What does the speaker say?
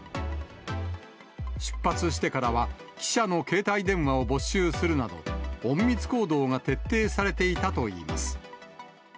出発してからは、記者の携帯電話を没収するなど、隠密行動が徹底されていたといいます。